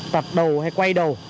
tạp đầu hay quay đầu